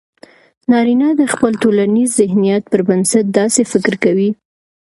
نارينه د خپل ټولنيز ذهنيت پر بنسټ داسې فکر کوي